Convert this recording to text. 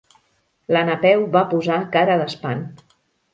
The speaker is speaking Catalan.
La Napeu va posar cara d'espant.